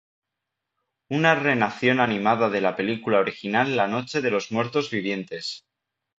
Una re-narración animada de la película original la Noche de los muertos vivientes.